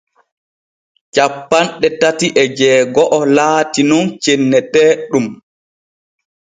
Cappanɗe tati e jeego’o laati nun cenneteeɗum.